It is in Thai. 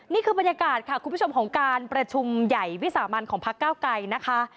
นี่คือบรรยากาศค่ะคุณผู้ชมของการประชุมใหญ่วิสามันของพักเก้าไกรนะคะ